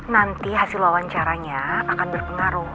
nanti hasil wawancaranya akan berpengaruh